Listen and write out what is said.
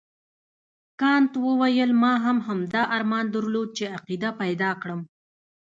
کانت وویل ما هم همدا ارمان درلود چې عقیده پیدا کړم.